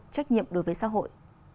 trách nhiệm đối với xã hội